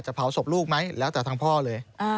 เผาศพลูกไหมแล้วแต่ทางพ่อเลย